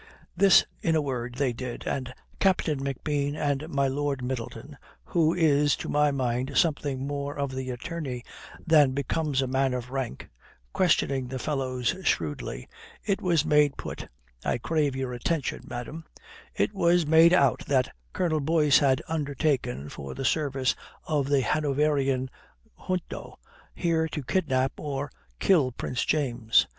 "This, in a word, they did, and Captain McBean and my Lord Middleton (who is to my mind something more of the attorney than becomes a man of rank) questioning the fellows shrewdly, it was made put I crave your attention, madam it was made out that Colonel Boyce had undertaken for the service of the Hanoverian junto here to kidnap or kill Prince James.